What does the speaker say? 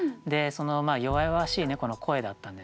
弱々しい猫の声だったんでしょうね。